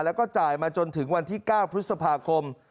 แล้วก็จ่ายมาจนถึงวันที่๙พฤษภาคม